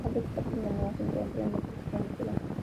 Otros patios menores se encuentran en posición lateral.